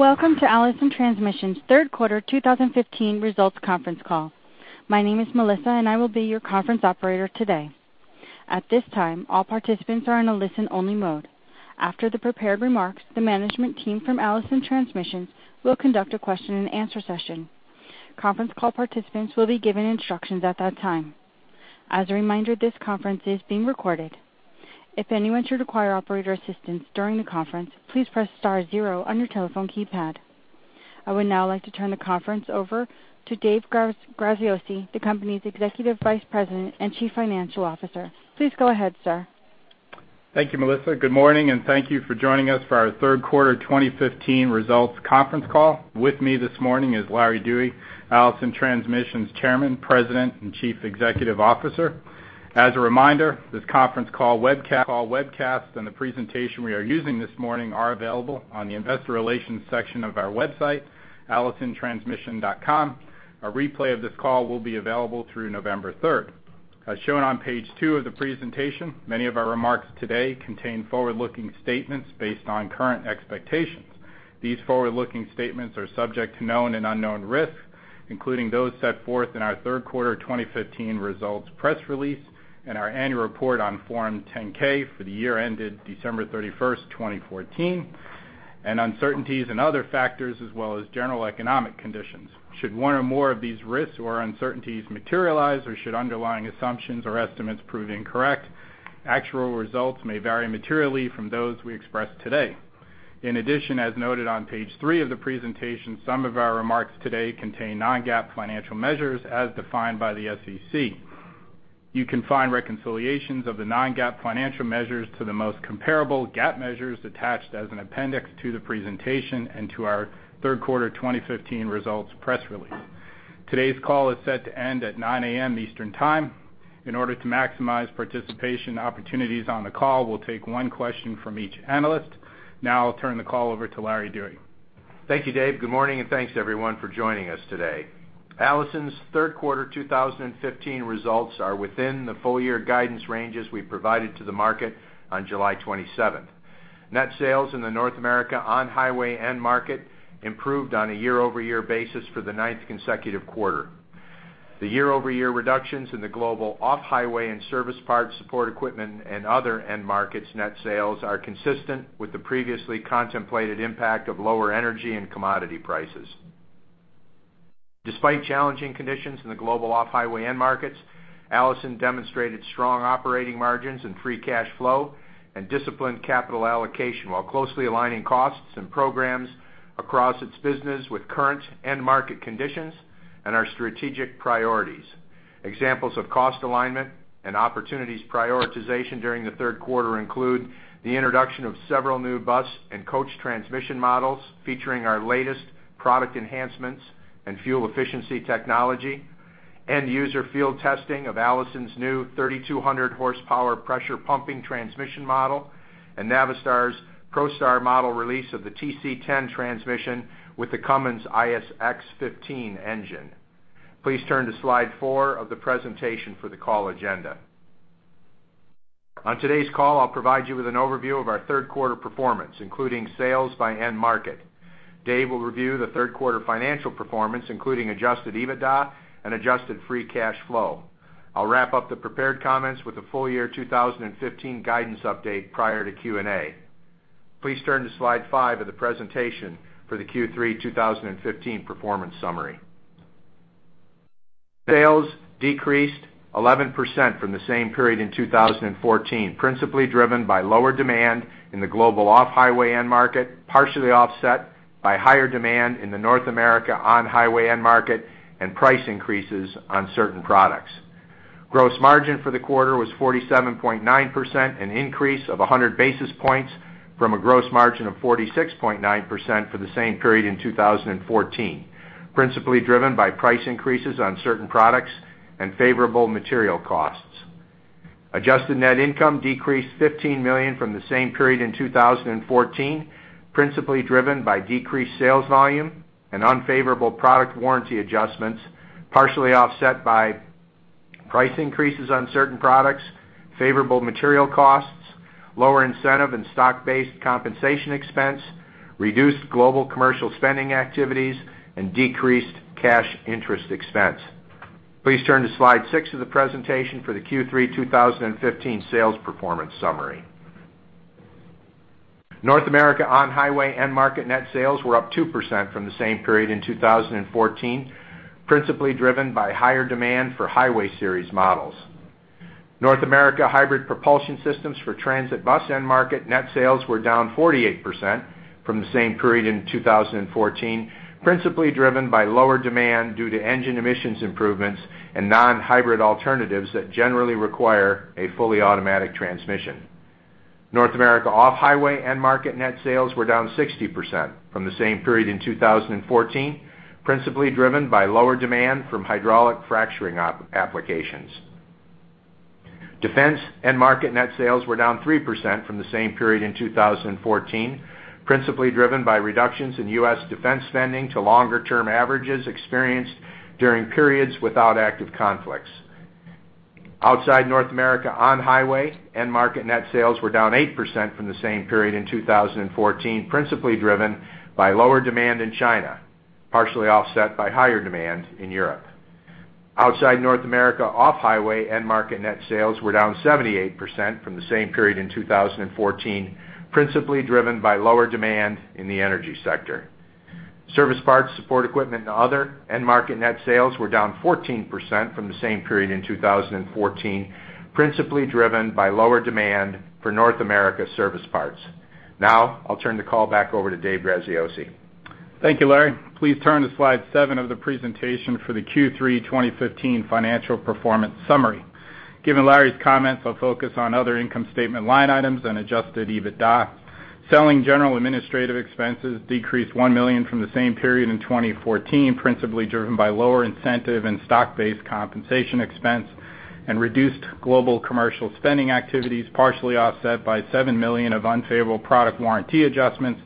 Welcome to Allison Transmission's third quarter 2015 results conference call. My name is Melissa, and I will be your conference operator today. At this time, all participants are in a listen-only mode. After the prepared remarks, the management team from Allison Transmission will conduct a question-and-answer session. Conference call participants will be given instructions at that time. As a reminder, this conference is being recorded. If anyone should require operator assistance during the conference, please press star zero on your telephone keypad. I would now like to turn the conference over to Dave Graziosi, the company's Executive Vice President and Chief Financial Officer. Please go ahead, sir. Thank you, Melissa. Good morning, and thank you for joining us for our third quarter 2015 results conference call. With me this morning is Larry Dewey, Allison Transmission's Chairman, President, and Chief Executive Officer. As a reminder, this conference call, webcast, call webcast, and the presentation we are using this morning are available on the investor relations section of our website, allisontransmission.com. A replay of this call will be available through November 3. As shown on page two of the presentation, many of our remarks today contain forward-looking statements based on current expectations. These forward-looking statements are subject to known and unknown risks, including those set forth in our third quarter 2015 results press release and our annual report on Form 10-K for the year ended December 31, 2014, and uncertainties and other factors, as well as general economic conditions. Should one or more of these risks or uncertainties materialize, or should underlying assumptions or estimates prove incorrect, actual results may vary materially from those we express today. In addition, as noted on page three of the presentation, some of our remarks today contain non-GAAP financial measures as defined by the SEC. You can find reconciliations of the non-GAAP financial measures to the most comparable GAAP measures attached as an appendix to the presentation and to our third quarter 2015 results press release. Today's call is set to end at 9:00 A.M. Eastern Time. In order to maximize participation opportunities on the call, we'll take one question from each analyst. Now I'll turn the call over to Larry Dewey. Thank you, Dave. Good morning, and thanks, everyone, for joining us today. Allison's third quarter 2015 results are within the full year guidance ranges we provided to the market on July 27th. Net sales in the North America on-highway end market improved on a year-over-year basis for the ninth consecutive quarter. The year-over-year reductions in the global off-highway and service parts, support equipment, and other end markets net sales are consistent with the previously contemplated impact of lower energy and commodity prices. Despite challenging conditions in the global off-highway end markets, Allison demonstrated strong operating margins and free cash flow and disciplined capital allocation, while closely aligning costs and programs across its business with current end market conditions and our strategic priorities. Examples of cost alignment and opportunities prioritization during the third quarter include the introduction of several new bus and coach transmission models, featuring our latest product enhancements and fuel efficiency technology, end-user field testing of Allison's new 3,200-horsepower pressure pumping transmission model, and Navistar's ProStar model release of the TC10 transmission with the Cummins ISX15 engine. Please turn to slide four of the presentation for the call agenda. On today's call, I'll provide you with an overview of our third quarter performance, including sales by end market. Dave will review the third quarter financial performance, including adjusted EBITDA and adjusted free cash flow. I'll wrap up the prepared comments with the full year 2015 guidance update prior to Q&A. Please turn to slide five of the presentation for the Q3 2015 performance summary. Sales decreased 11% from the same period in 2014, principally driven by lower demand in the global off-highway end market, partially offset by higher demand in the North America on-highway end market and price increases on certain products. Gross margin for the quarter was 47.9%, an increase of 100 basis points from a gross margin of 46.9% for the same period in 2014, principally driven by price increases on certain products and favorable material costs. Adjusted net income decreased $15 million from the same period in 2014, principally driven by decreased sales volume and unfavorable product warranty adjustments, partially offset by price increases on certain products, favorable material costs, lower incentive and stock-based compensation expense, reduced global commercial spending activities, and decreased cash interest expense. Please turn to slide six of the presentation for the Q3 2015 sales performance summary. North America on-highway end market net sales were up 2% from the same period in 2014, principally driven by higher demand for Highway Series models. North America hybrid propulsion systems for transit bus end market net sales were down 48% from the same period in 2014, principally driven by lower demand due to engine emissions improvements and non-hybrid alternatives that generally require a fully automatic transmission. North America off-highway end market net sales were down 60% from the same period in 2014, principally driven by lower demand from hydraulic fracturing applications. Defense end market net sales were down 3% from the same period in 2014, principally driven by reductions in U.S. defense spending to longer-term averages experienced during periods without active conflicts. Outside North America on-highway, end market net sales were down 8% from the same period in 2014, principally driven by lower demand in China, partially offset by higher demand in Europe. Outside North America off-highway, end market net sales were down 78% from the same period in 2014, principally driven by lower demand in the energy sector. Service parts, support equipment, and other end market net sales were down 14% from the same period in 2014, principally driven by lower demand for North America service parts. Now, I'll turn the call back over to Dave Graziosi. Thank you, Larry. Please turn to slide seven of the presentation for the Q3 2015 financial performance summary. Given Larry's comments, I'll focus on other income statement line items and Adjusted EBITDA. Selling, general and administrative expenses decreased $1 million from the same period in 2014, principally driven by lower incentive and stock-based compensation expense and reduced global commercial spending activities, partially offset by $7 million of unfavorable product warranty adjustments,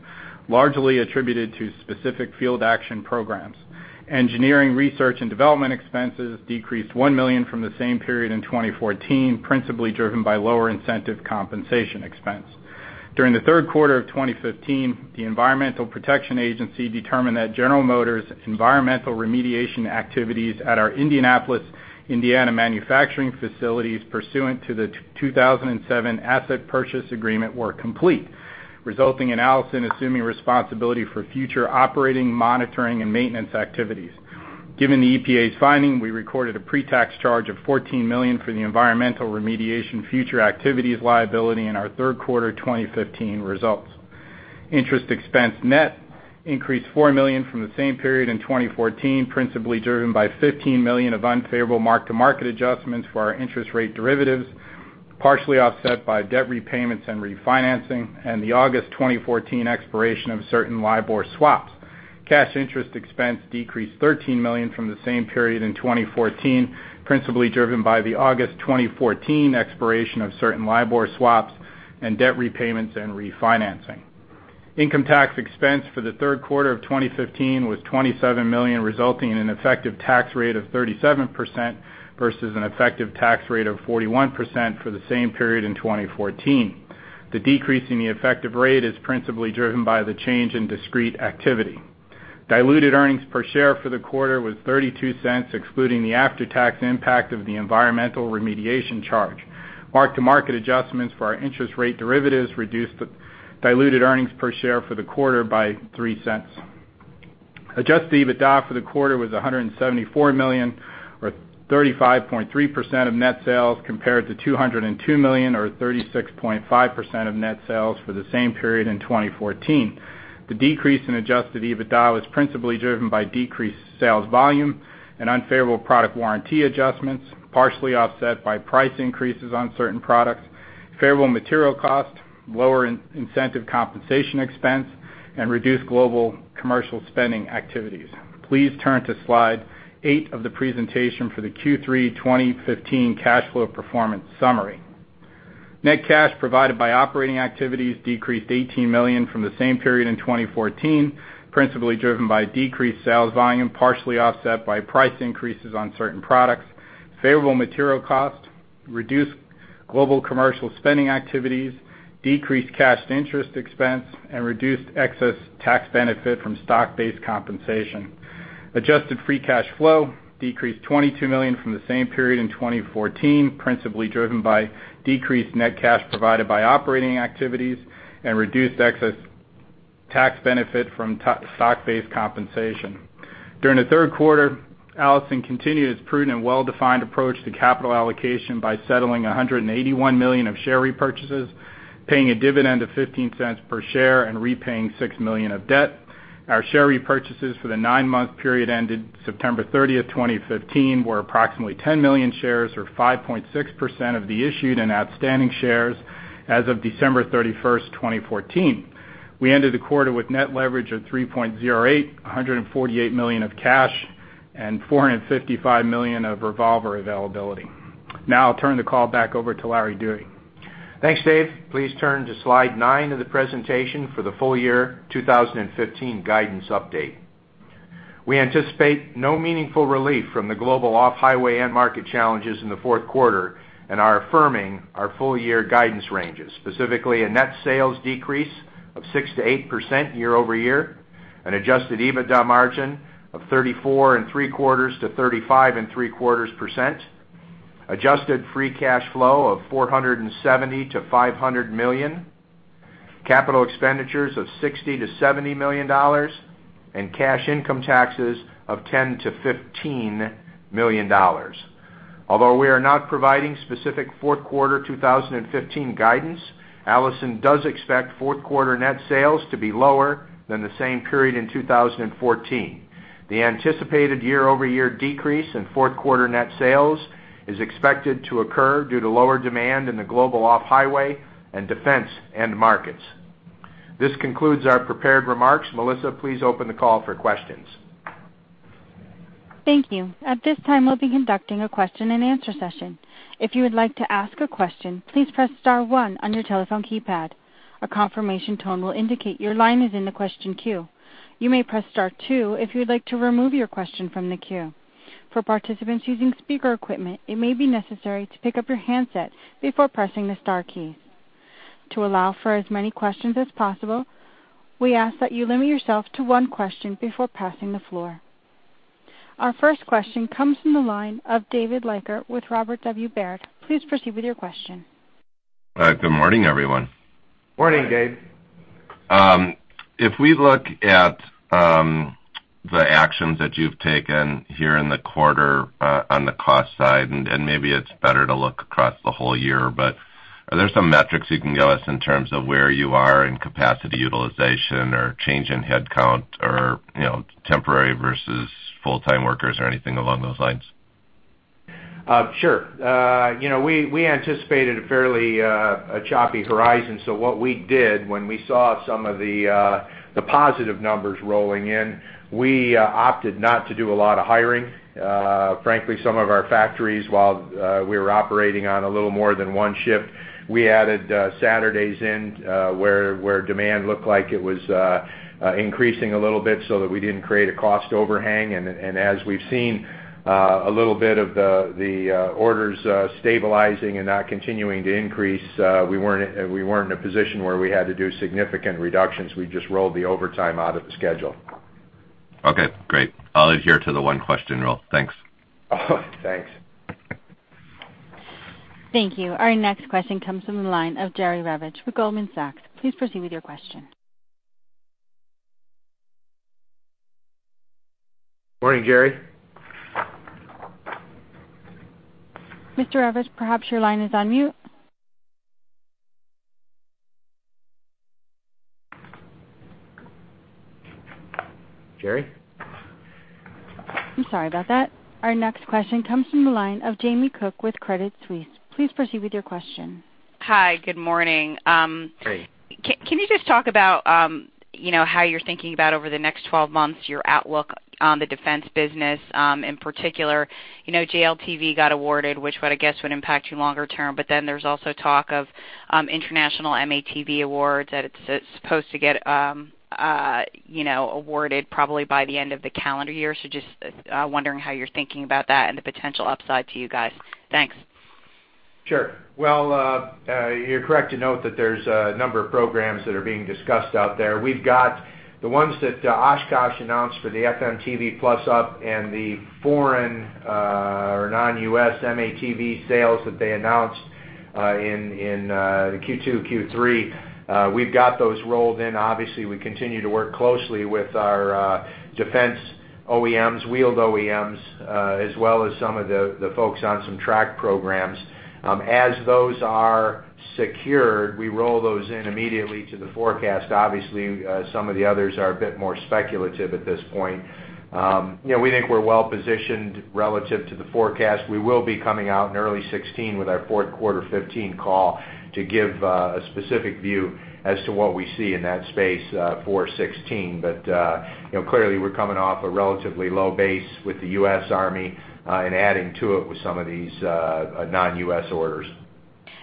largely attributed to specific field action programs. Engineering, research, and development expenses decreased $1 million from the same period in 2014, principally driven by lower incentive compensation expense. During the third quarter of 2015, the Environmental Protection Agency determined that General Motors' environmental remediation activities at our Indianapolis, Indiana, manufacturing facilities pursuant to the 2007 asset purchase agreement were complete, resulting in Allison assuming responsibility for future operating, monitoring, and maintenance activities. Given the EPA's finding, we recorded a pre-tax charge of $14 million for the environmental remediation future activities liability in our third quarter 2015 results. Interest expense net increased $4 million from the same period in 2014, principally driven by $15 million of unfavorable mark-to-market adjustments for our interest rate derivatives, partially offset by debt repayments and refinancing, and the August 2014 expiration of certain LIBOR swaps. Cash interest expense decreased $13 million from the same period in 2014, principally driven by the August 2014 expiration of certain LIBOR swaps and debt repayments and refinancing. Income tax expense for the third quarter of 2015 was $27 million, resulting in an effective tax rate of 37% versus an effective tax rate of 41% for the same period in 2014. The decrease in the effective rate is principally driven by the change in discrete activity. Diluted earnings per share for the quarter was $0.32, excluding the after-tax impact of the environmental remediation charge. Mark-to-market adjustments for our interest rate derivatives reduced the diluted earnings per share for the quarter by $0.03. Adjusted EBITDA for the quarter was $174 million, or 35.3% of net sales, compared to $202 million, or 36.5% of net sales for the same period in 2014. The decrease in Adjusted EBITDA was principally driven by decreased sales volume and unfavorable product warranty adjustments, partially offset by price increases on certain products, favorable material costs, lower incentive compensation expense, and reduced global commercial spending activities. Please turn to slide 8 of the presentation for the Q3 2015 cash flow performance summary. Net cash provided by operating activities decreased $18 million from the same period in 2014, principally driven by decreased sales volume, partially offset by price increases on certain products, favorable material costs, reduced global commercial spending activities, decreased cash interest expense, and reduced excess tax benefit from stock-based compensation. Adjusted Free Cash Flow decreased $22 million from the same period in 2014, principally driven by decreased net cash provided by operating activities and reduced excess tax benefit from stock-based compensation. During the third quarter, Allison continued its prudent and well-defined approach to capital allocation by settling $181 million of share repurchases, paying a dividend of $0.15 per share, and repaying $6 million of debt. Our share repurchases for the nine-month period ended September 30, 2015, were approximately 10 million shares, or 5.6% of the issued and outstanding shares as of December 31, 2014. We ended the quarter with net leverage of 3.08, $148 million of cash, and $455 million of revolver availability. Now I'll turn the call back over to Larry Dewey. Thanks, Dave. Please turn to slide nine of the presentation for the full year 2015 guidance update. We anticipate no meaningful relief from the global off-highway end market challenges in the fourth quarter and are affirming our full year guidance ranges, specifically a net sales decrease of 6%-8% year-over-year, an adjusted EBITDA margin of 34.75%-35.75%, adjusted free cash flow of $470 million-$500 million, capital expenditures of $60 million-$70 million, and cash income taxes of $10 million-$15 million. Although we are not providing specific fourth quarter 2015 guidance, Allison does expect fourth quarter net sales to be lower than the same period in 2014. The anticipated year-over-year decrease in fourth quarter net sales is expected to occur due to lower demand in the global off-highway and defense end markets. This concludes our prepared remarks. Melissa, please open the call for questions. Thank you. At this time, we'll be conducting a question-and-answer session. If you would like to ask a question, please press star one on your telephone keypad. A confirmation tone will indicate your line is in the question queue. You may press star two if you would like to remove your question from the queue. For participants using speaker equipment, it may be necessary to pick up your handset before pressing the star key. To allow for as many questions as possible, we ask that you limit yourself to one question before passing the floor. Our first question comes from the line of David Leiker with Robert W. Baird. Please proceed with your question. Hi, good morning, everyone. Morning, Dave. If we look at the actions that you've taken here in the quarter, on the cost side, and maybe it's better to look across the whole year, but are there some metrics you can give us in terms of where you are in capacity utilization or change in headcount or, you know, temporary versus full-time workers or anything along those lines? Sure. You know, we anticipated a fairly choppy horizon. So what we did when we saw some of the positive numbers rolling in, we opted not to do a lot of hiring. Frankly, some of our factories, while we were operating on a little more than one shift, we added Saturdays in where demand looked like it was increasing a little bit so that we didn't create a cost overhang. And as we've seen, a little bit of the orders stabilizing and not continuing to increase, we weren't in a position where we had to do significant reductions. We just rolled the overtime out of the schedule. Okay, great. I'll adhere to the one question rule. Thanks. Thanks. Thank you. Our next question comes from the line of Jerry Revich with Goldman Sachs. Please proceed with your question. Morning, Jerry. Mr. Revich, perhaps your line is on mute. Jerry? I'm sorry about that. Our next question comes from the line of Jamie Cook with Credit Suisse. Please proceed with your question. Hi, good morning. Hey. Can you just talk about, you know, how you're thinking about over the next 12 months, your outlook on the defense business, in particular? You know, JLTV got awarded, which I would guess would impact you longer term, but then there's also talk of, international M-ATV awards that it's supposed to get, you know, awarded probably by the end of the calendar year. So just, wondering how you're thinking about that and the potential upside to you guys. Thanks. Sure. Well, you're correct to note that there's a number of programs that are being discussed out there. We've got the ones that Oshkosh announced for the FMTV plus-up and the foreign, or non-US M-ATV sales that they announced in Q2, Q3. We've got those rolled in. Obviously, we continue to work closely with our defense OEMs, wheeled OEMs, as well as some of the folks on some track programs. As those are secured, we roll those in immediately to the forecast. Obviously, some of the others are a bit more speculative at this point. You know, we think we're well positioned relative to the forecast. We will be coming out in early 2016 with our fourth quarter 2015 call to give a specific view as to what we see in that space for 2016. But, you know, clearly, we're coming off a relatively low base with the US Army and adding to it with some of these non-US orders.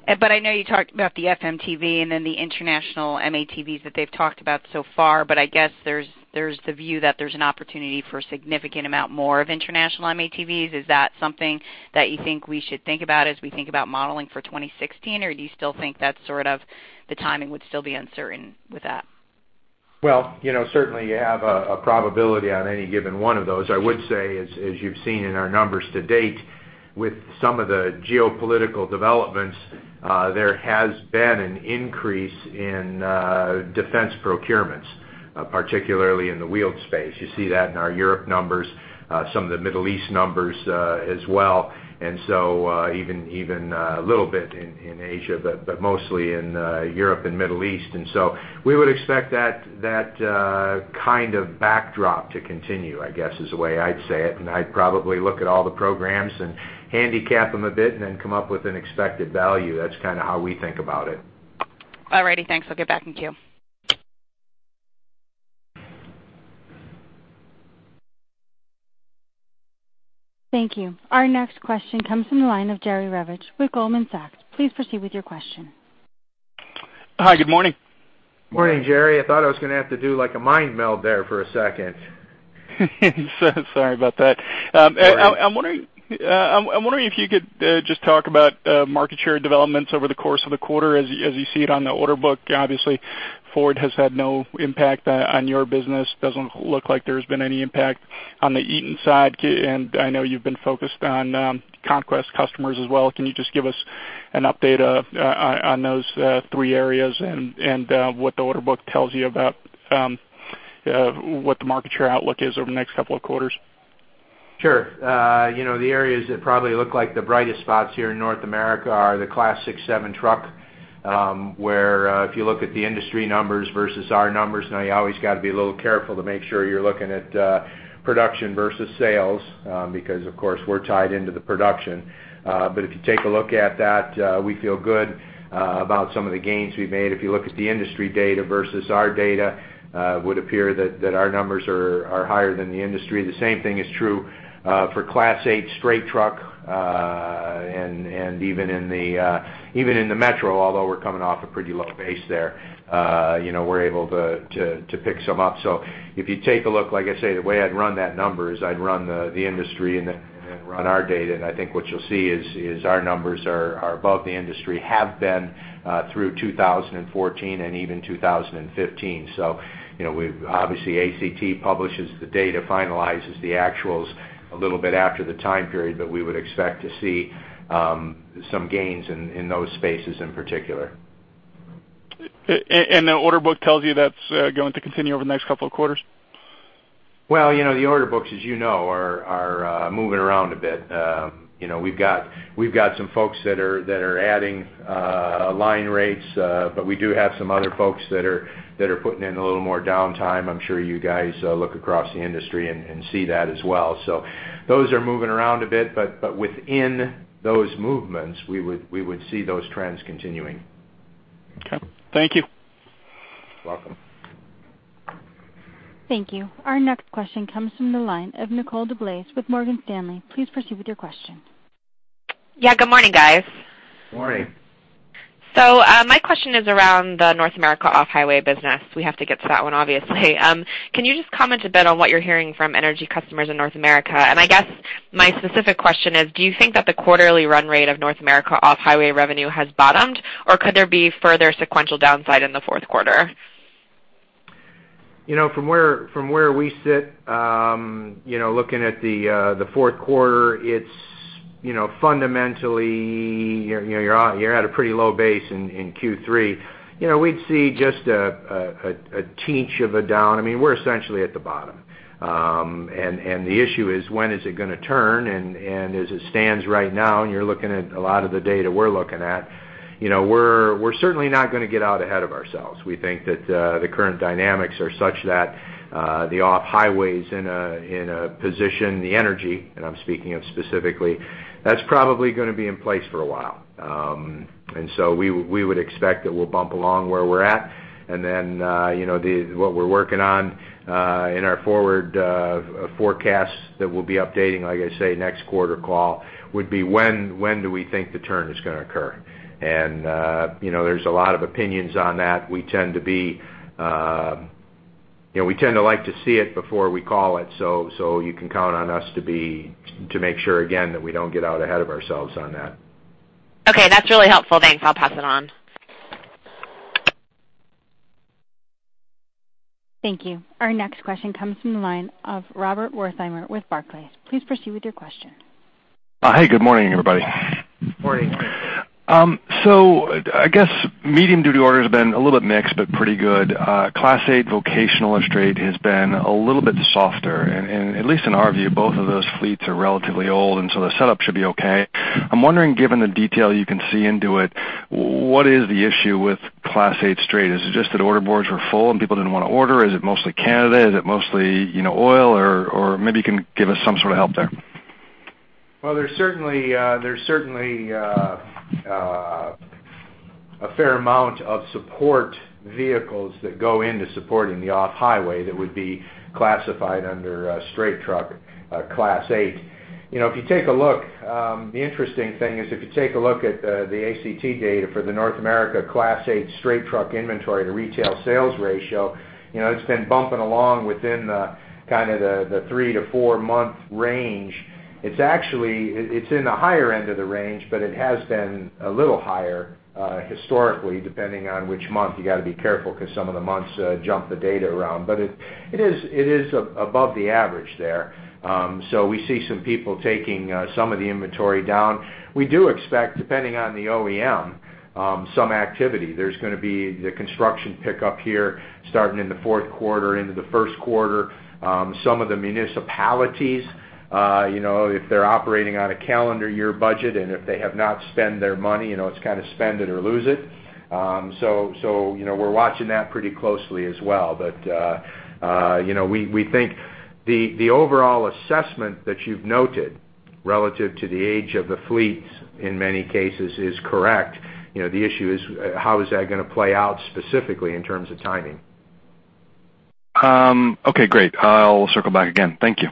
But I know you talked about the FMTV and then the international M-ATVs that they've talked about so far, but I guess there's the view that there's an opportunity for a significant amount more of international M-ATVs. Is that something that you think we should think about as we think about modeling for 2016? Or do you still think that's sort of the timing would still be uncertain with that? Well, you know, certainly, you have a probability on any given one of those. I would say, as you've seen in our numbers to date, with some of the geopolitical developments, there has been an increase in defense procurements, particularly in the wheeled space. You see that in our Europe numbers, some of the Middle East numbers, as well, and so, even a little bit in Asia, but mostly in Europe and Middle East. And so we would expect that kind of backdrop to continue, I guess, is the way I'd say it, and I'd probably look at all the programs and handicap them a bit and then come up with an expected value. That's kind of how we think about it. All righty. Thanks. I'll get back in queue. Thank you. Our next question comes from the line of Jerry Revich with Goldman Sachs. Please proceed with your question. Hi, good morning. Morning, Jerry. I thought I was gonna have to do, like, a mind meld there for a second. Sorry about that. Sorry. I'm wondering if you could just talk about market share developments over the course of the quarter as you see it on the order book. Obviously, Ford has had no impact on your business. Doesn't look like there's been any impact on the Eaton side, and I know you've been focused on conquest customers as well. Can you just give us an update on those three areas and what the order book tells you about what the market share outlook is over the next couple of quarters? Sure. You know, the areas that probably look like the brightest spots here in North America are the Class 6-7 truck, where, if you look at the industry numbers versus our numbers, now you always got to be a little careful to make sure you're looking at, production versus sales, because, of course, we're tied into the production. But if you take a look at that, we feel good, about some of the gains we've made. If you look at the industry data versus our data, would appear that, that our numbers are, are higher than the industry. The same thing is true for Class 8 straight truck and even in the metro, although we're coming off a pretty low base there. You know, we're able to pick some up. So if you take a look, like I say, the way I'd run that number is I'd run the industry and then run our data, and I think what you'll see is our numbers are above the industry, have been through 2014 and even 2015. So, you know, we've obviously. ACT publishes the data, finalizes the actuals a little bit after the time period, but we would expect to see some gains in those spaces in particular. And the order book tells you that's going to continue over the next couple of quarters? Well, you know, the order books, as you know, are moving around a bit. You know, we've got some folks that are adding line rates, but we do have some other folks that are putting in a little more downtime. I'm sure you guys look across the industry and see that as well. So those are moving around a bit, but within those movements, we would see those trends continuing. Okay. Thank you. Welcome. Thank you. Our next question comes from the line of Nicole DeBlase with Morgan Stanley. Please proceed with your question. Yeah, good morning, guys. Morning. So, my question is around the North America off-highway business. We have to get to that one, obviously. Can you just comment a bit on what you're hearing from energy customers in North America? And I guess my specific question is: do you think that the quarterly run rate of North America off-highway revenue has bottomed, or could there be further sequential downside in the fourth quarter? You know, from where we sit, you know, looking at the fourth quarter, it's, you know, fundamentally, you're at a pretty low base in Q3. You know, we'd see just a tinge of a down. I mean, we're essentially at the bottom. And the issue is, when is it going to turn? And as it stands right now, when you're looking at a lot of the data we're looking at, you know, we're certainly not going to get out ahead of ourselves. We think that the current dynamics are such that the off-highway is in a position, the energy, and I'm speaking specifically, that's probably going to be in place for a while. And so we would expect that we'll bump along where we're at. And then, you know, what we're working on in our forward forecasts that we'll be updating, like I say, next quarter call, would be when, when do we think the turn is going to occur? And, you know, there's a lot of opinions on that. We tend to be, you know, we tend to like to see it before we call it, so, so you can count on us to be, to make sure again, that we don't get out ahead of ourselves on that. Okay, that's really helpful. Thanks. I'll pass it on. Thank you. Our next question comes from the line of Robert Wertheimer with Barclays. Please proceed with your question. Hey, good morning, everybody. Morning. So I guess medium-duty orders have been a little bit mixed, but pretty good. Class 8 vocational or straight has been a little bit softer. And at least in our view, both of those fleets are relatively old, and so the setup should be okay. I'm wondering, given the detail you can see into it, what is the issue with Class 8 straight? Is it just that order boards were full and people didn't want to order? Is it mostly Canada? Is it mostly, you know, oil? Or maybe you can give us some sort of help there. Well, there's certainly, there's certainly, a fair amount of support vehicles that go into supporting the off-highway that would be classified under, straight truck, Class 8. You know, if you take a look, the interesting thing is, if you take a look at, the ACT data for the North America Class 8 straight truck inventory to retail sales ratio, you know, it's been bumping along within the kind of the three to four month range. It's actually—it's in the higher end of the range, but it has been a little higher, historically, depending on which month. You got to be careful because some of the months, jump the data around. But it is above the average there. So we see some people taking, some of the inventory down. We do expect, depending on the OEM, some activity. There's going to be the construction pickup here starting in the fourth quarter into the first quarter. Some of the municipalities, you know, if they're operating on a calendar year budget, and if they have not spent their money, you know, it's kind of spend it or lose it. So, you know, we're watching that pretty closely as well. But, you know, we think the overall assessment that you've noted relative to the age of the fleets in many cases is correct. You know, the issue is, how is that going to play out specifically in terms of timing? Okay, great. I'll circle back again. Thank you.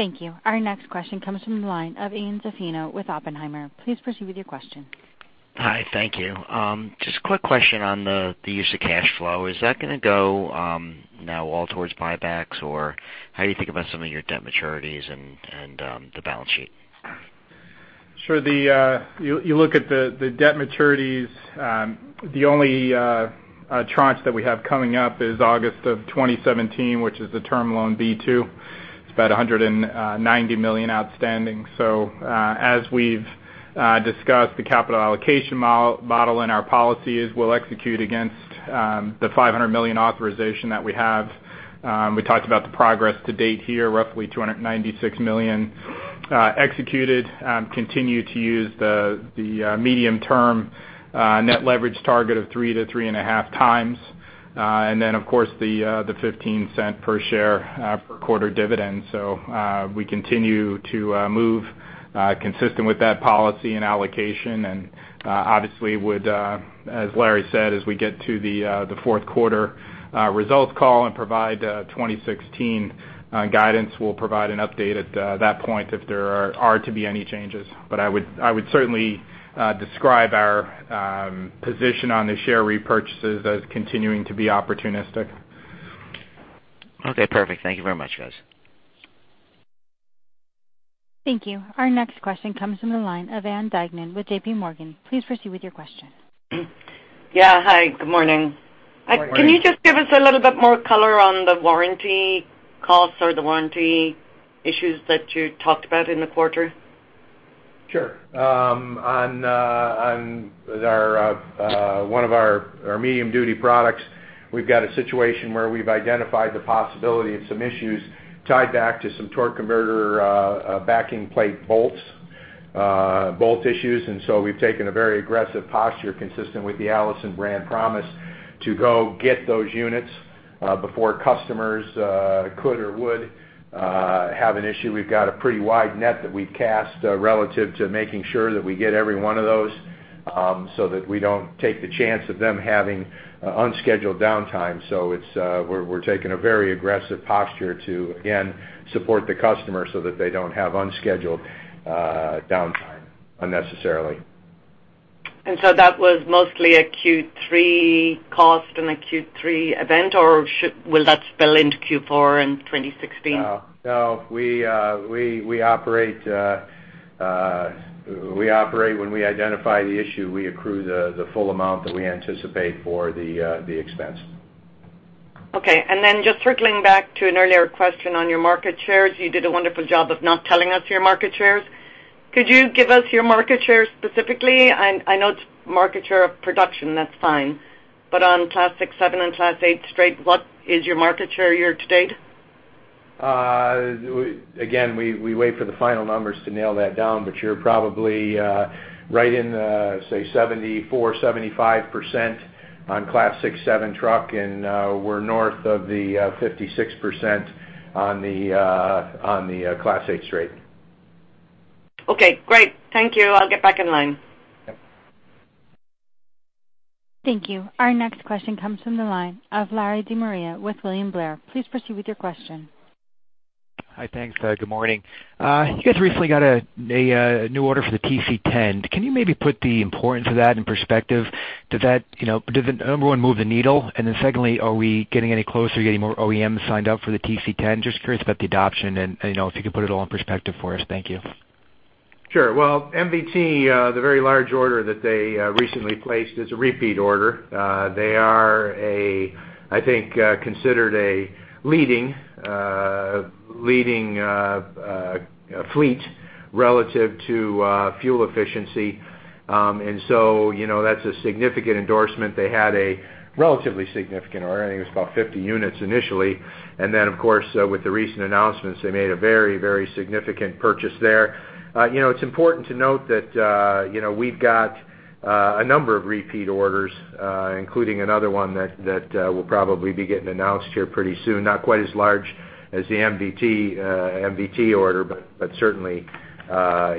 Yep. Thank you. Our next question comes from the line of Ian Zaffino with Oppenheimer. Please proceed with your question. Hi, thank you. Just a quick question on the use of cash flow. Is that going to go now all towards buybacks, or how do you think about some of your debt maturities and the balance sheet? Sure. You look at the debt maturities, the only tranche that we have coming up is August of 2017, which is the Term Loan B-2. It's about $190 million outstanding. So, as we've discussed the capital allocation model in our policies, we'll execute against the $500 million authorization that we have. We talked about the progress to date here, roughly $296 million executed, continue to use the medium term net leverage target of 3x-3.5x. And then, of course, the $0.15 per share per quarter dividend. So, we continue to move consistent with that policy and allocation, and obviously would, as Larry said, as we get to the fourth quarter results call and provide 2016 guidance, we'll provide an update at that point if there are to be any changes. But I would certainly describe our position on the share repurchases as continuing to be opportunistic. Okay, perfect. Thank you very much, guys. Thank you. Our next question comes from the line of Ann Duignan with JPMorgan. Please proceed with your question. Yeah. Hi, good morning. Good morning. Can you just give us a little bit more color on the warranty costs or the warranty issues that you talked about in the quarter? Sure. On one of our medium duty products, we've got a situation where we've identified the possibility of some issues tied back to some torque converter backing plate bolts bolt issues. And so we've taken a very aggressive posture consistent with the Allison brand promise, to go get those units before customers could or would have an issue. We've got a pretty wide net that we've cast relative to making sure that we get every one of those so that we don't take the chance of them having unscheduled downtime. So we're taking a very aggressive posture to again support the customer so that they don't have unscheduled downtime unnecessarily. And so that was mostly a Q3 cost and a Q3 event, or will that spill into Q4 in 2016? No, no. We operate when we identify the issue. We accrue the full amount that we anticipate for the expense. Okay. And then just circling back to an earlier question on your market shares, you did a wonderful job of not telling us your market shares. Could you give us your market share specifically? I know it's market share of production, that's fine. But on Class 6, 7, and Class 8 straight, what is your market share year to date? Again, we wait for the final numbers to nail that down, but you're probably right, say, 74%-75% on Class 6-7 truck, and we're north of the 56% on the Class 8 straight truck. Okay, great. Thank you. I'll get back in line. Yep. Thank you. Our next question comes from the line of Larry DeMaria with William Blair. Please proceed with your question. Hi, thanks. Good morning. You guys recently got a new order for the TC10. Can you maybe put the importance of that in perspective? Does that, you know, does it, number one, move the needle? And then secondly, are we getting any closer, getting more OEMs signed up for the TC10? Just curious about the adoption and, you know, if you could put it all in perspective for us. Thank you. Sure. Well, MVT, the very large order that they recently placed is a repeat order. They are a, I think, considered a leading, leading fleet relative to fuel efficiency. And so, you know, that's a significant endorsement. They had a relatively significant order, I think it was about 50 units initially. And then, of course, with the recent announcements, they made a very, very significant purchase there. You know, it's important to note that, you know, we've got a number of repeat orders, including another one that, that will probably be getting announced here pretty soon. Not quite as large as the MVT, MVT order, but, but certainly,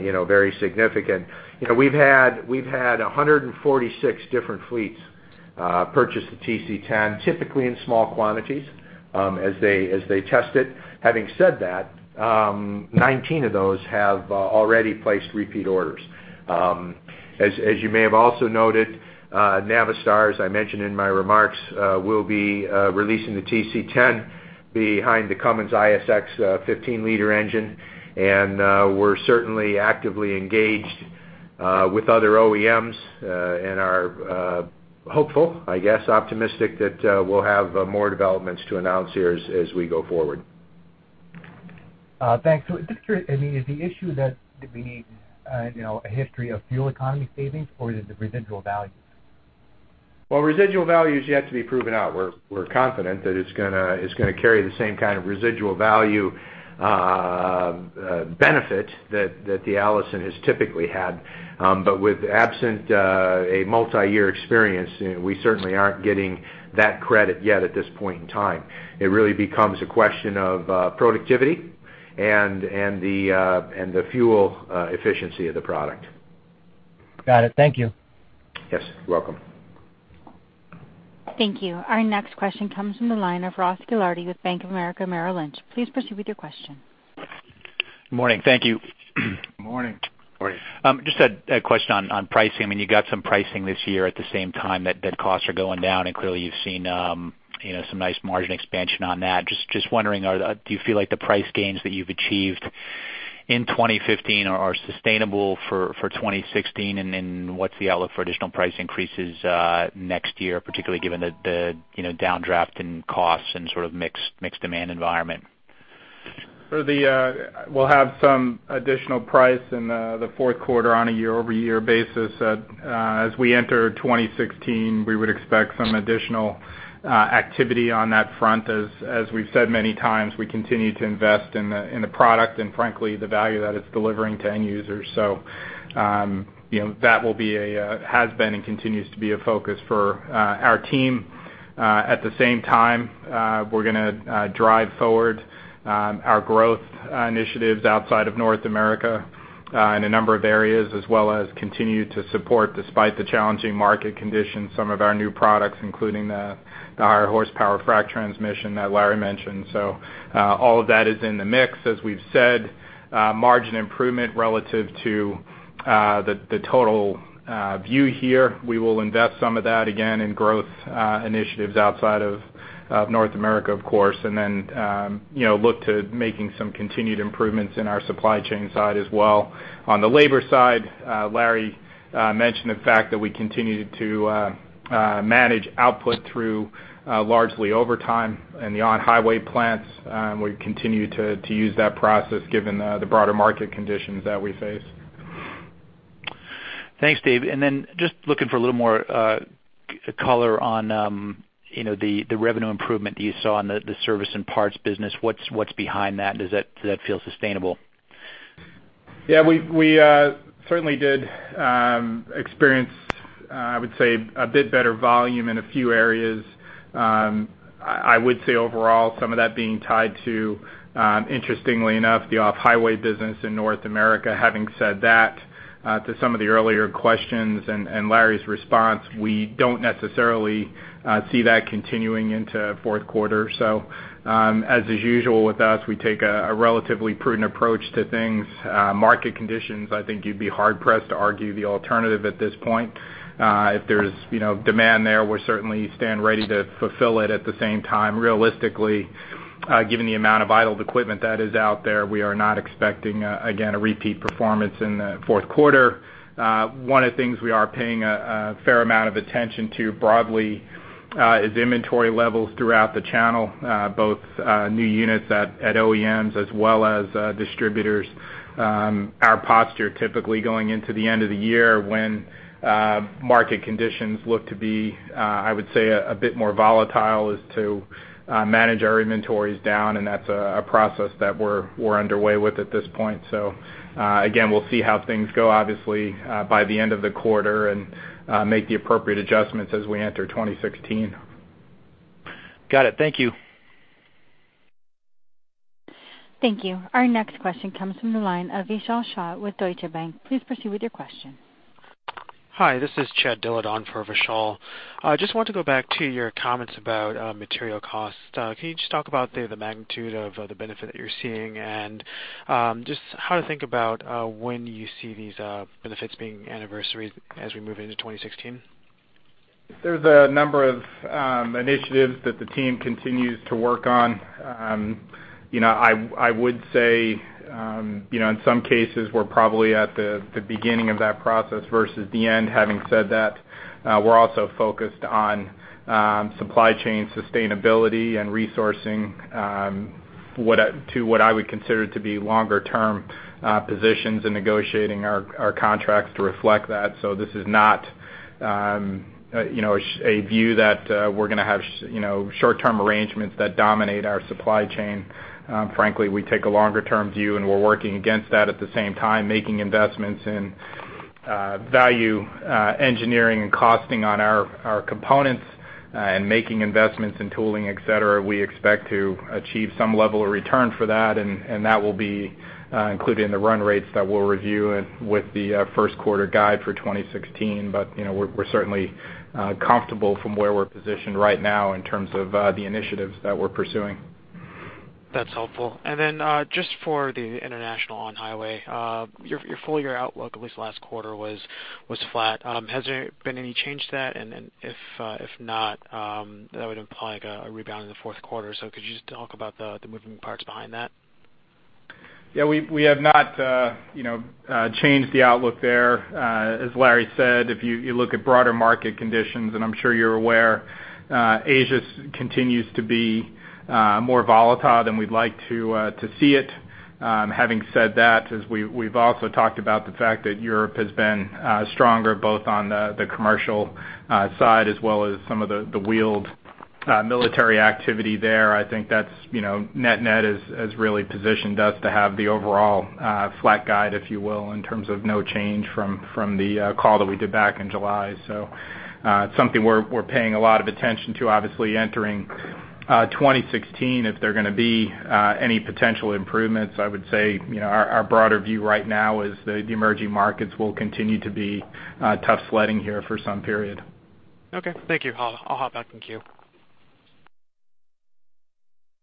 you know, very significant. You know, we've had, we've had 146 different fleets purchase the TC10, typically in small quantities, as they, as they test it. Having said that, 19 of those have already placed repeat orders. As you may have also noted, Navistar, as I mentioned in my remarks, will be releasing the TC10 behind the Cummins ISX 15-liter engine. And we're certainly actively engaged with other OEMs and are hopeful, I guess, optimistic that we'll have more developments to announce here as we go forward. Thanks. So just, I mean, is the issue that we need, you know, a history of fuel economy savings, or is it the residual value? Well, residual value is yet to be proven out. We're confident that it's gonna carry the same kind of residual value benefit that the Allison has typically had. But absent a multi-year experience, we certainly aren't getting that credit yet at this point in time. It really becomes a question of productivity and the fuel efficiency of the product. Got it. Thank you. Yes, you're welcome. Thank you. Our next question comes from the line of Ross Gilardi with Bank of America Merrill Lynch. Please proceed with your question. Morning. Thank you. Morning. Morning. Just a question on pricing. I mean, you got some pricing this year at the same time that costs are going down, and clearly, you've seen, you know, some nice margin expansion on that. Just wondering, do you feel like the price gains that you've achieved in 2015 are sustainable for 2016, and then what's the outlook for additional price increases next year, particularly given the, you know, downdraft in costs and sort of mixed demand environment? We'll have some additional price in the fourth quarter on a year-over-year basis. As we enter 2016, we would expect some additional activity on that front. As we've said many times, we continue to invest in the product and frankly, the value that it's delivering to end users. So, you know, that has been and continues to be a focus for our team. At the same time, we're gonna drive forward our growth initiatives outside of North America in a number of areas, as well as continue to support, despite the challenging market conditions, some of our new products, including the higher horsepower frac transmission that Larry mentioned. So, all of that is in the mix. As we've said, margin improvement relative to the total view here, we will invest some of that again in growth initiatives outside of North America, of course, and then, you know, look to making some continued improvements in our supply chain side as well. On the labor side, Larry mentioned the fact that we continue to manage output through largely overtime in the on-highway plants. We continue to use that process given the broader market conditions that we face. Thanks, Dave. And then just looking for a little more color on, you know, the revenue improvement that you saw on the service and parts business. What's behind that? Did that feel sustainable? Yeah, we certainly did experience, I would say a bit better volume in a few areas. I would say overall, some of that being tied to, interestingly enough, the off-highway business in North America. Having said that, to some of the earlier questions and Larry's response, we don't necessarily see that continuing into fourth quarter. So, as is usual with us, we take a relatively prudent approach to things. Market conditions, I think you'd be hard-pressed to argue the alternative at this point. If there's, you know, demand there, we're certainly stand ready to fulfill it. At the same time, realistically, given the amount of idled equipment that is out there, we are not expecting, again, a repeat performance in the fourth quarter. One of the things we are paying a fair amount of attention to broadly is inventory levels throughout the channel, both new units at OEMs as well as distributors. Our posture typically going into the end of the year when market conditions look to be, I would say, a bit more volatile, is to manage our inventories down, and that's a process that we're underway with at this point. So, again, we'll see how things go, obviously, by the end of the quarter and make the appropriate adjustments as we enter 2016. Got it. Thank you. Thank you. Our next question comes from the line of Vishal Shah with Deutsche Bank. Please proceed with your question. Hi, this is Chad Dillard on for Vishal. I just want to go back to your comments about material costs. Can you just talk about the magnitude of the benefit that you're seeing and just how to think about when you see these benefits being anniversaried as we move into 2016? There's a number of initiatives that the team continues to work on. You know, I would say, you know, in some cases, we're probably at the beginning of that process versus the end. Having said that, we're also focused on supply chain sustainability and resourcing, what I to what I would consider to be longer term positions in negotiating our contracts to reflect that. So this is not, you know, a view that we're gonna have you know, short-term arrangements that dominate our supply chain. Frankly, we take a longer-term view, and we're working against that, at the same time, making investments in value engineering and costing on our components, and making investments in tooling, et cetera. We expect to achieve some level of return for that, and, and that will be included in the run rates that we'll review with the first quarter guide for 2016. But, you know, we're, we're certainly comfortable from where we're positioned right now in terms of the initiatives that we're pursuing. That's helpful. And then, just for the international on-highway, your, your full year outlook, at least last quarter, was, was flat. Has there been any change to that? And then if, if not, that would imply like a, a rebound in the fourth quarter. So could you just talk about the, the moving parts behind that? Yeah, we've, we have not, you know, changed the outlook there. As Larry said, if you look at broader market conditions, and I'm sure you're aware, Asia continues to be more volatile than we'd like to see it. Having said that, as we've also talked about the fact that Europe has been stronger, both on the commercial side, as well as some of the wheeled military activity there. I think that's, you know, net-net has really positioned us to have the overall flat guide, if you will, in terms of no change from the call that we did back in July. So, it's something we're paying a lot of attention to. Obviously, entering 2016, if there are gonna be any potential improvements, I would say, you know, our broader view right now is the emerging markets will continue to be tough sledding here for some period. Okay. Thank you. I'll hop back in queue.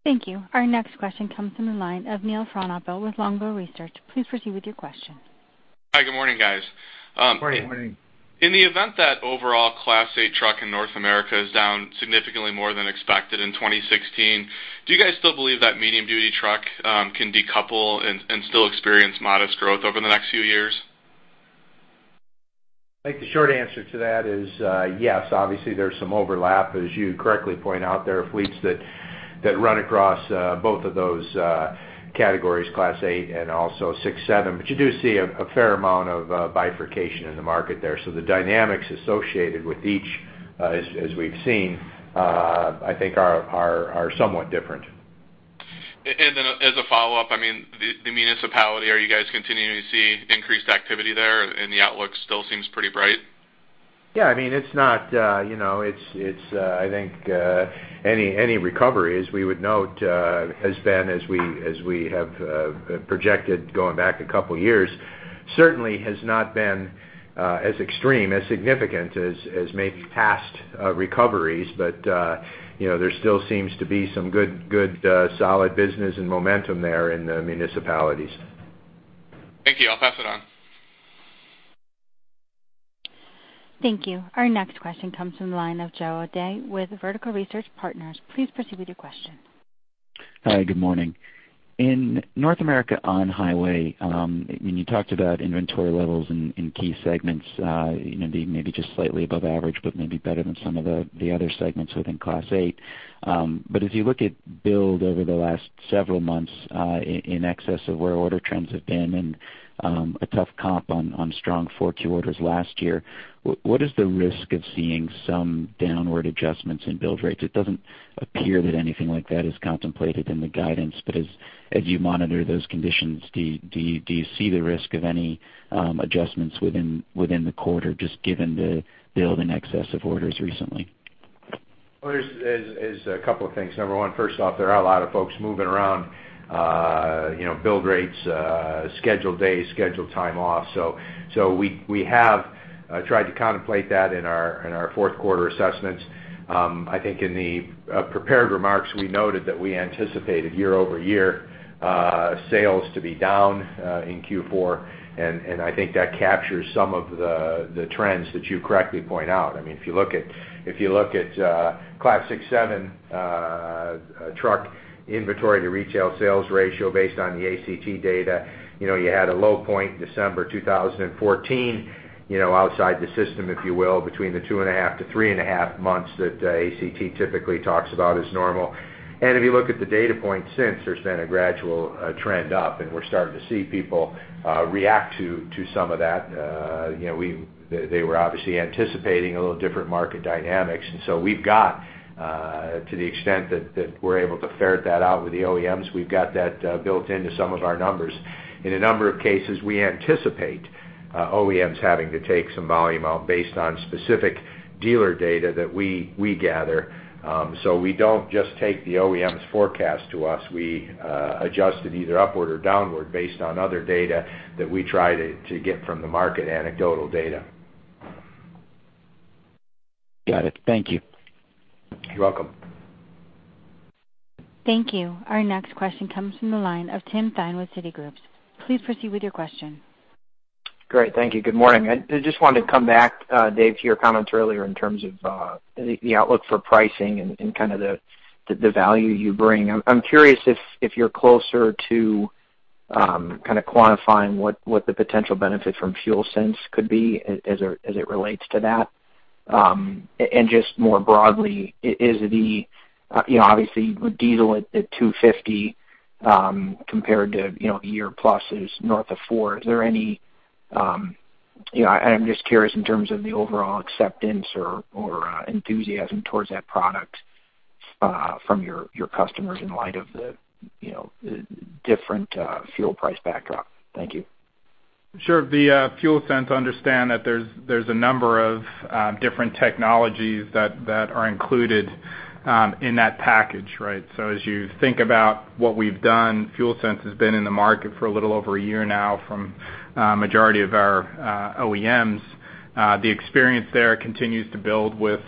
Thank you. Our next question comes from the line of Neil Frohnapple with Longbow Research. Please proceed with your question. Hi, good morning, guys. Good morning. Good morning. In the event that overall Class 8 truck in North America is down significantly more than expected in 2016, do you guys still believe that medium-duty truck can decouple and still experience modest growth over the next few years? I think the short answer to that is, yes. Obviously, there's some overlap. As you correctly point out, there are fleets that run across both of those categories, Class 8 and also 6, 7. But you do see a fair amount of bifurcation in the market there. So the dynamics associated with each, as we've seen, I think are somewhat different. As a follow-up, I mean, the municipality, are you guys continuing to see increased activity there, and the outlook still seems pretty bright? Yeah, I mean, it's not, you know, it's, I think, any recovery, as we would note, has been as we have projected going back a couple of years, certainly has not been as extreme, as significant as maybe past recoveries. But, you know, there still seems to be some good solid business and momentum there in the municipalities. Thank you. I'll pass it on. Thank you. Our next question comes from the line of Joe O'Dea with Vertical Research Partners. Please proceed with your question. Hi, good morning. In North America, on-highway, when you talked about inventory levels in key segments, you know, being maybe just slightly above average, but maybe better than some of the other segments within Class 8. But as you look at build over the last several months, in excess of where order trends have been and a tough comp on strong 4Q orders last year, what is the risk of seeing some downward adjustments in build rates? It doesn't appear that anything like that is contemplated in the guidance, but as you monitor those conditions, do you see the risk of any adjustments within the quarter, just given the build in excess of orders recently? Well, there's a couple of things. Number one, first off, there are a lot of folks moving around, you know, build rates, scheduled days, scheduled time off. So we have tried to contemplate that in our fourth quarter assessments. I think in the prepared remarks, we noted that we anticipated year-over-year sales to be down in Q4, and I think that captures some of the trends that you correctly point out. I mean, if you look at, if you look at, Class 6-7 truck inventory to retail sales ratio based on the ACT data, you know, you had a low point in December 2014, you know, outside the system, if you will, between the 2.5-3.5 months that, ACT typically talks about as normal. And if you look at the data points since, there's been a gradual, trend up, and we're starting to see people, react to, to some of that. You know, we-- they, they were obviously anticipating a little different market dynamics, and so we've got, to the extent that, that we're able to ferret that out with the OEMs, we've got that, built into some of our numbers. In a number of cases, we anticipate, OEMs having to take some volume out based on specific dealer data that we, we gather. So we don't just take the OEM's forecast to us. We, adjust it either upward or downward based on other data that we try to, to get from the market, anecdotal data. Got it. Thank you. You're welcome. Thank you. Our next question comes from the line of Tim Thein with Citigroup. Please proceed with your question. Great. Thank you. Good morning. I just wanted to come back, Dave, to your comments earlier in terms of the outlook for pricing and kind of the value you bring. I'm curious if you're closer to kind of quantifying what the potential benefit from FuelSense could be as it relates to that. And just more broadly, is the, you know, obviously, diesel at $2.50, compared to, you know, a year plus is north of $4. Is there any, you know, and I'm just curious in terms of the overall acceptance or enthusiasm towards that product from your customers in light of the, you know, different fuel price backdrop. Thank you. Sure. The FuelSense, understand that there's a number of different technologies that are included in that package, right? So as you think about what we've done, FuelSense has been in the market for a little over a year now from majority of our OEMs. The experience there continues to build with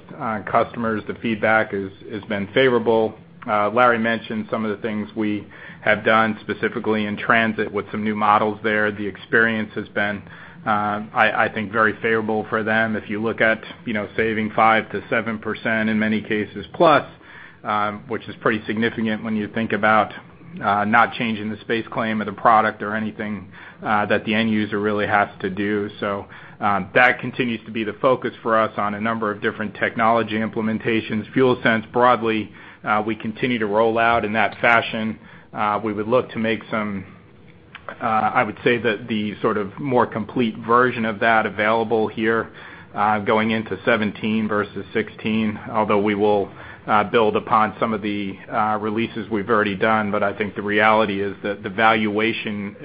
customers. The feedback has been favorable. Larry mentioned some of the things we have done, specifically in transit with some new models there. The experience has been, I think, very favorable for them. If you look at, you know, saving 5%-7% in many cases, plus, which is pretty significant when you think about not changing the space claim of the product or anything that the end user really has to do. So, that continues to be the focus for us on a number of different technology implementations. FuelSense, broadly, we continue to roll out in that fashion. We would look to make some, I would say that the sort of more complete version of that available here, going into 2017 versus 2016, although we will build upon some of the releases we've already done. But I think the reality is that the valuation,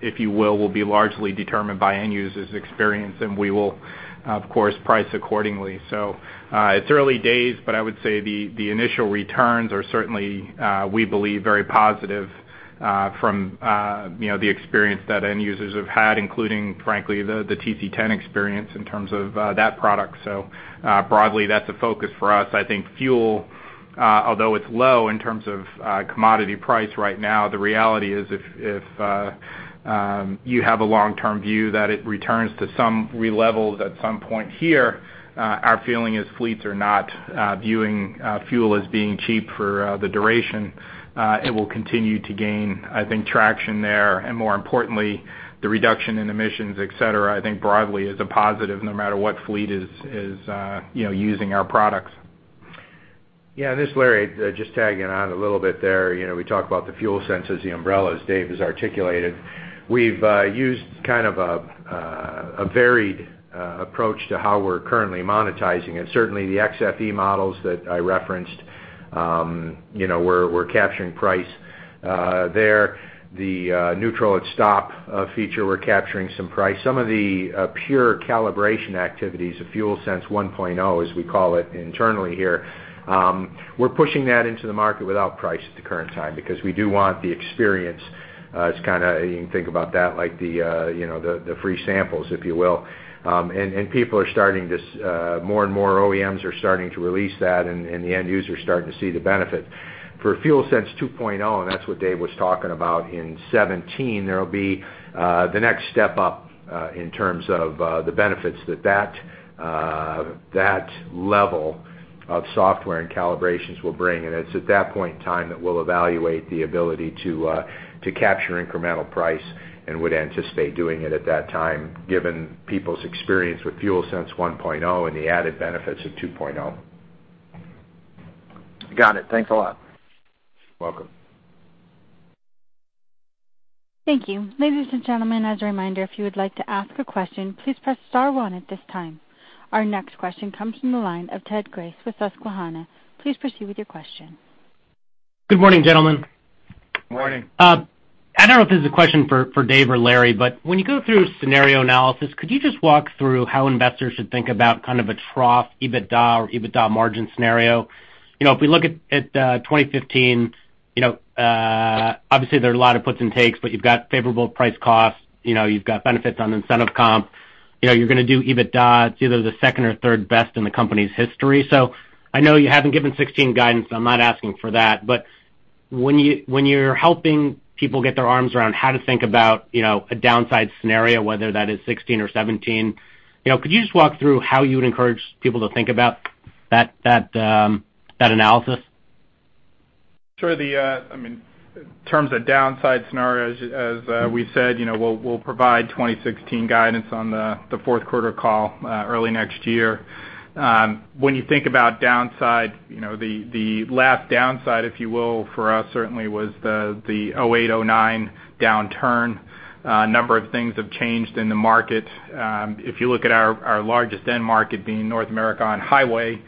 if you will, will be largely determined by end users' experience, and we will, of course, price accordingly. So, it's early days, but I would say the initial returns are certainly, we believe, very positive. From, you know, the experience that end users have had, including, frankly, the TC10 experience in terms of that product. So, broadly, that's a focus for us. I think fuel, although it's low in terms of commodity price right now, the reality is, if you have a long-term view that it returns to some levels at some point here, our feeling is fleets are not viewing fuel as being cheap for the duration. It will continue to gain, I think, traction there, and more importantly, the reduction in emissions, et cetera, I think broadly is a positive no matter what fleet is, you know, using our products. Yeah, this is Larry, just tagging on a little bit there. You know, we talk about FuelSense as the umbrella, as Dave has articulated. We've used kind of a varied approach to how we're currently monetizing it. Certainly, the XFE models that I referenced, you know, we're capturing price there. The neutral at stop feature, we're capturing some price. Some of the pure calibration activities, the FuelSense 1.0 as we call it internally here, we're pushing that into the market without price at the current time because we do want the experience. It's kind of, you can think about that like the free samples, if you will. And people are starting to, more and more OEMs are starting to release that, and the end users are starting to see the benefit. For FuelSense 2.0, and that's what Dave was talking about, in 2017, there will be the next step up, in terms of the benefits that that level of software and calibrations will bring. And it's at that point in time that we'll evaluate the ability to capture incremental price and would anticipate doing it at that time, given people's experience with FuelSense 1.0 and the added benefits of 2.0. Got it. Thanks a lot. Welcome. Thank you. Ladies and gentlemen, as a reminder, if you would like to ask a question, please press star one at this time. Our next question comes from the line of Ted Grace with Susquehanna. Please proceed with your question. Good morning, gentlemen. Morning. I don't know if this is a question for Dave or Larry, but when you go through scenario analysis, could you just walk through how investors should think about kind of a trough EBITDA or EBITDA margin scenario? You know, if we look at 2015, you know, obviously, there are a lot of puts and takes, but you've got favorable price- cost, you know, you've got benefits on incentive comp. You know, you're gonna do EBITDA. It's either the second or third best in the company's history. So I know you haven't given 2016 guidance. I'm not asking for that. But when you're helping people get their arms around how to think about, you know, a downside scenario, whether that is 2016 or 2017, you know, could you just walk through how you would encourage people to think about that, that analysis? Sure. I mean, in terms of downside scenarios, as we said, you know, we'll provide 2016 guidance on the fourth quarter call early next year. When you think about downside, you know, the last downside, if you will, for us certainly was the 2008, 2009 downturn. A number of things have changed in the market. If you look at our largest end market being North America On-Highway,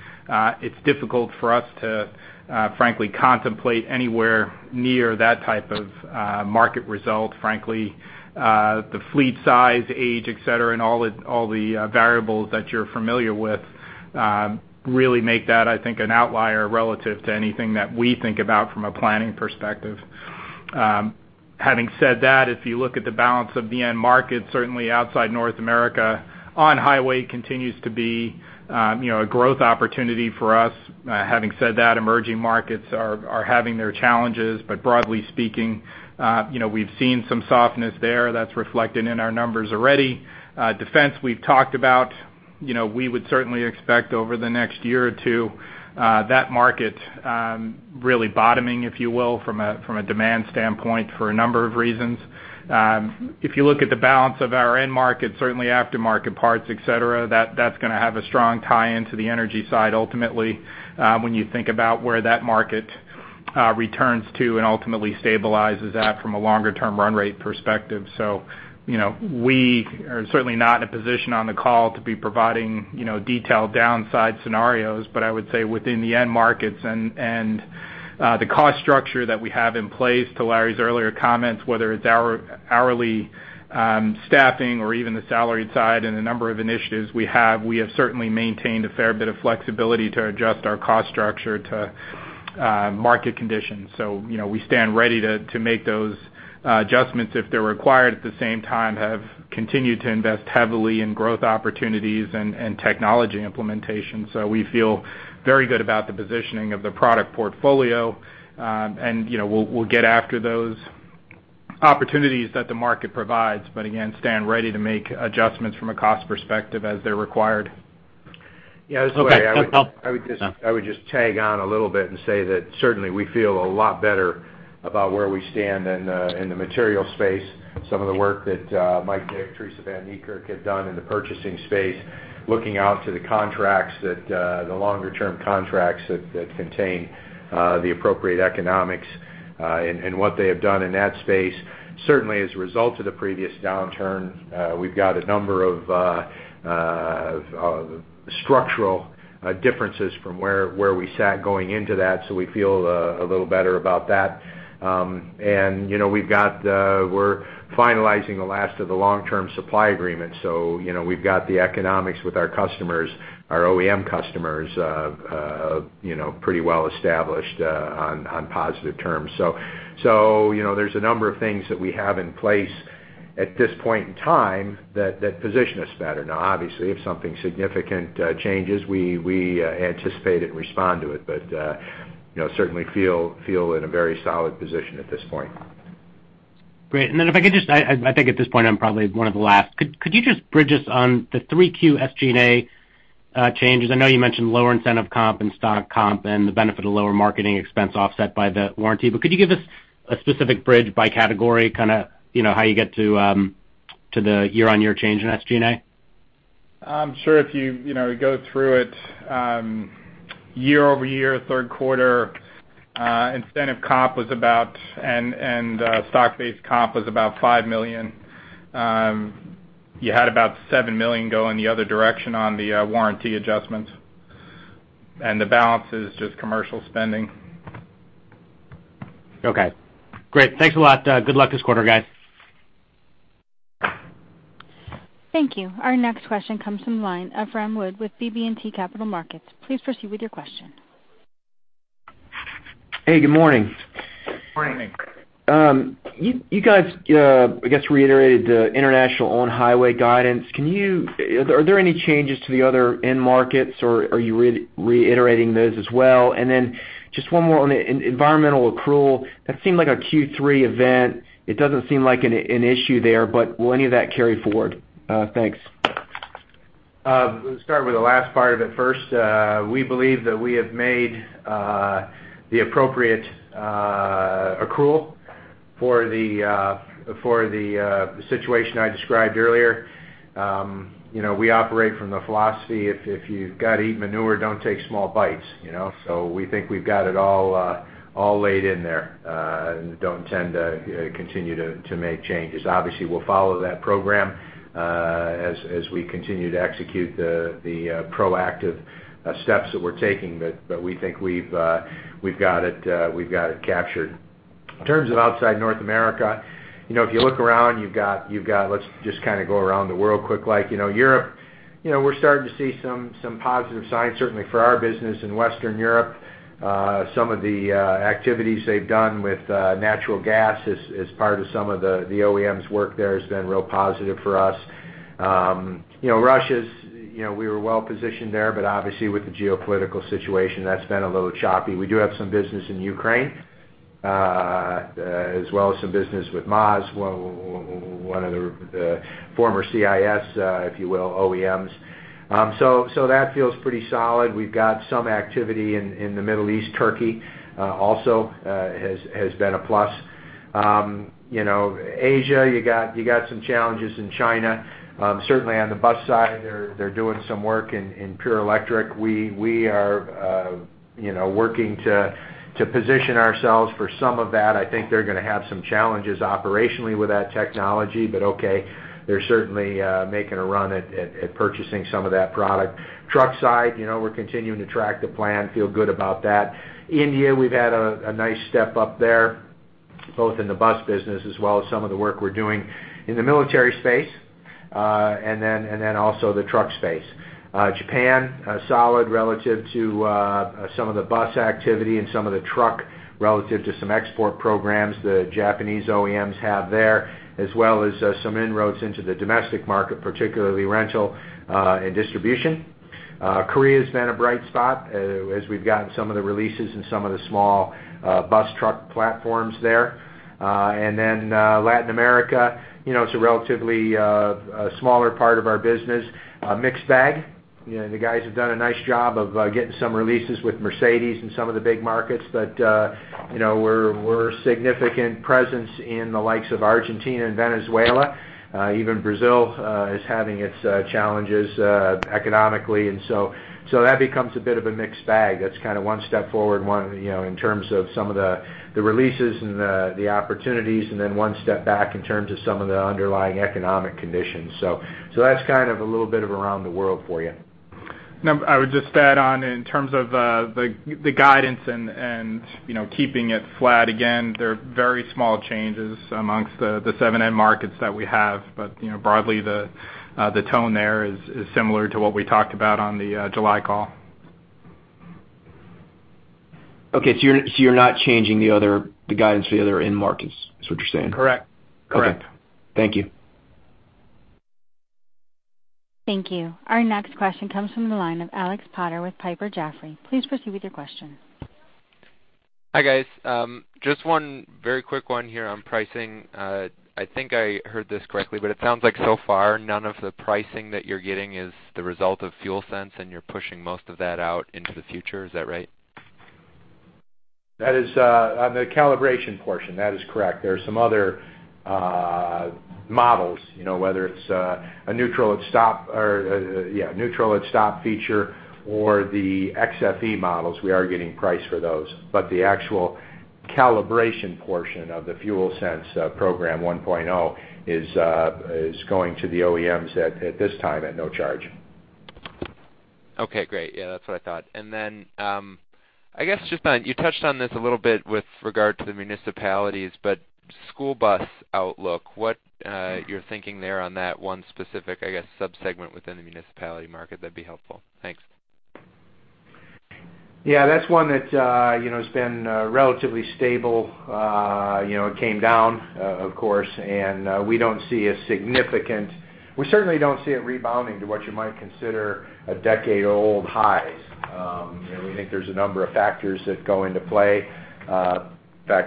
it's difficult for us to frankly contemplate anywhere near that type of market result, frankly. The fleet size, age, et cetera, and all the variables that you're familiar with really make that, I think, an outlier relative to anything that we think about from a planning perspective. Having said that, if you look at the balance of the end market, certainly outside North America, on-highway continues to be, you know, a growth opportunity for us. Having said that, emerging markets are having their challenges, but broadly speaking, you know, we've seen some softness there that's reflected in our numbers already. Defense, we've talked about, you know, we would certainly expect over the next year or two, that market really bottoming, if you will, from a demand standpoint for a number of reasons. If you look at the balance of our end market, certainly aftermarket parts, et cetera, that's gonna have a strong tie-in to the energy side ultimately, when you think about where that market returns to and ultimately stabilizes at from a longer-term run rate perspective. So, you know, we are certainly not in a position on the call to be providing, you know, detailed downside scenarios, but I would say within the end markets and the cost structure that we have in place, to Larry's earlier comments, whether it's hourly staffing or even the salaried side and the number of initiatives we have, we have certainly maintained a fair bit of flexibility to adjust our cost structure to market conditions. So, you know, we stand ready to make those adjustments if they're required. At the same time, have continued to invest heavily in growth opportunities and technology implementation. So we feel very good about the positioning of the product portfolio, and, you know, we'll get after those opportunities that the market provides, but again, stand ready to make adjustments from a cost perspective as they're required. Okay. Yeah, I would just, I would just tag on a little bit and say that certainly we feel a lot better about where we stand in the, in the material space. Some of the work that Mike Dick, Teresa van Niekerk have done in the purchasing space, looking out to the contracts that the longer-term contracts that contain the appropriate economics, and what they have done in that space. Certainly, as a result of the previous downturn, we've got a number of structural differences from where we sat going into that, so we feel a little better about that. You know, we've got, we're finalizing the last of the long-term supply agreements, so, you know, we've got the economics with our customers, our OEM customers, you know, pretty well established, on positive terms. So, you know, there's a number of things that we have in place at this point in time, that position is better. Now, obviously, if something significant changes, we anticipate it and respond to it, but, you know, certainly feel in a very solid position at this point. Great. And then if I could just—I think at this point, I'm probably one of the last. Could you just bridge us on the 3Q SG&A changes? I know you mentioned lower incentive comp and stock comp and the benefit of lower marketing expense offset by the warranty. But could you give us a specific bridge by category, kind of, you know, how you get to the year-on-year change in SG&A? I'm sure if you, you know, go through it, year-over-year, third quarter, incentive comp was about -- and, and, stock-based comp was about $5 million. You had about $7 million going the other direction on the, warranty adjustments, and the balance is just commercial spending. Okay, great. Thanks a lot. Good luck this quarter, guys. Thank you. Our next question comes from the line of Rhem Wood with BB&T Capital Markets. Please proceed with your question. Hey, good morning. Good morning. Morning. You guys, I guess, reiterated the international on-highway guidance. Can you, are there any changes to the other end markets, or are you reiterating those as well? And then just one more on environmental accrual, that seemed like a Q3 event. It doesn't seem like an issue there, but will any of that carry forward? Thanks. Let's start with the last part of it first. We believe that we have made the appropriate accrual for the situation I described earlier. You know, we operate from the philosophy, if you've got to eat manure, don't take small bites, you know? So we think we've got it all laid in there, and don't intend to continue to make changes. Obviously, we'll follow that program as we continue to execute the proactive steps that we're taking. But we think we've got it captured. In terms of outside North America, you know, if you look around, you've got... Let's just kind of go around the world quick-like. You know, Europe, you know, we're starting to see some positive signs, certainly for our business in Western Europe. Some of the activities they've done with natural gas as part of some of the OEMs work there has been real positive for us. You know, Russia's, you know, we were well positioned there, but obviously, with the geopolitical situation, that's been a little choppy. We do have some business in Ukraine, as well as some business with MAZ, one of the former CIS, if you will, OEMs. So that feels pretty solid. We've got some activity in the Middle East. Turkey also has been a plus. You know, Asia, you got some challenges in China. Certainly on the bus side, they're doing some work in pure electric. We are, you know, working to position ourselves for some of that. I think they're going to have some challenges operationally with that technology, but okay. They're certainly making a run at purchasing some of that product. Truck side, you know, we're continuing to track the plan, feel good about that. India, we've had a nice step up there, both in the bus business as well as some of the work we're doing in the military space, and also the truck space. Japan, solid relative to some of the bus activity and some of the truck, relative to some export programs the Japanese OEMs have there, as well as some inroads into the domestic market, particularly rental and distribution. Korea's been a bright spot, as we've gotten some of the releases and some of the small bus, truck platforms there. And then, Latin America, you know, it's a relatively smaller part of our business, a mixed bag. You know, the guys have done a nice job of getting some releases with Mercedes in some of the big markets, but, you know, we're, we're a significant presence in the likes of Argentina and Venezuela. Even Brazil is having its challenges economically, and so, so that becomes a bit of a mixed bag. That's kind of one step forward, one, you know, in terms of some of the, the releases and the, the opportunities, and then one step back in terms of some of the underlying economic conditions. So, that's kind of a little bit of around the world for you. Now, I would just add on, in terms of, the guidance and, you know, keeping it flat, again, they're very small changes amongst the seven end markets that we have. But, you know, broadly, the tone there is similar to what we talked about on the July call. Okay, so you're not changing the other, the guidance for the other end markets, is what you're saying? Correct. Correct. Okay. Thank you. Thank you. Our next question comes from the line of Alex Potter with Piper Jaffray. Please proceed with your question. Hi, guys. Just one very quick one here on pricing. I think I heard this correctly, but it sounds like so far, none of the pricing that you're getting is the result of FuelSense, and you're pushing most of that out into the future. Is that right? That is, on the calibration portion, that is correct. There are some other models, you know, whether it's a neutral at stop or, yeah, neutral at stop feature or the xFE models, we are getting price for those. But the actual calibration portion of the FuelSense program 1.0 is going to the OEMs at this time, at no charge. Okay, great. Yeah, that's what I thought. And then, I guess just on, you touched on this a little bit with regard to the municipalities, but school bus outlook, what you're thinking there on that one specific, I guess, sub-segment within the municipality market, that'd be helpful? Thanks. Yeah, that's one that, you know, has been relatively stable. You know, it came down, of course, and we don't see a significant-- We certainly don't see it rebounding to what you might consider a decade-old highs. And we think there's a number of factors that go into play. Fact